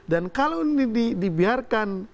dan kalau ini dibiarkan